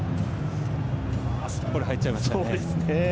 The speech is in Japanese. すっぽり入っちゃいましたね。